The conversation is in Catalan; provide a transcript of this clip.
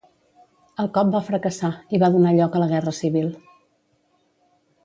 El cop va fracassar, i va donar lloc a la guerra civil.